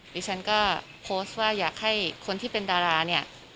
ดิฉันก็โพสต์ว่าอยากให้คนที่เป็นดาราเนี่ย